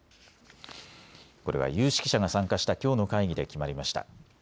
これは有識者が参加したきょうの会議で決まりました。